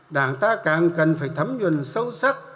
đảng ta càng cần phải thấm nhuận sâu sắc